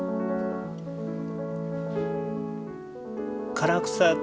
唐草